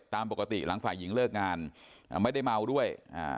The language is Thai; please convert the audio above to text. ตามปกติหลังฝ่ายหญิงเลิกงานไม่ได้เมาด้วย